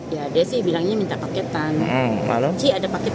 kami berkata kita harus mencari anggota yang lebih baik dari kita